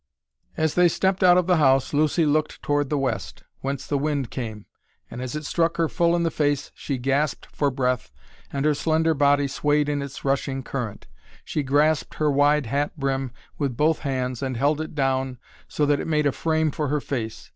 As they stepped out of the house Lucy looked toward the west, whence the wind came, and as it struck her full in the face she gasped for breath and her slender body swayed in its rushing current. She grasped her wide hat brim with both hands and held it down so that it made a frame for her face.